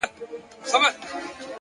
د باران لومړی څاڅکی تل ځانګړی احساس لري.